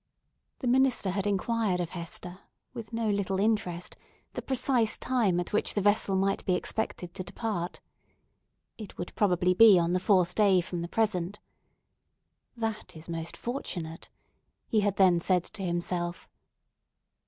The minister had inquired of Hester, with no little interest, the precise time at which the vessel might be expected to depart. It would probably be on the fourth day from the present. "This is most fortunate!" he had then said to himself.